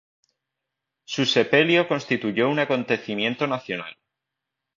Su sepelio constituyó un acontecimiento nacional.